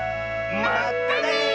まったね！